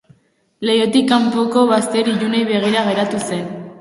Leihotik kanpoko bazter ilunei begira geratu zen.